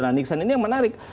nah nixon ini yang menarik